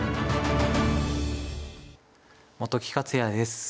本木克弥です。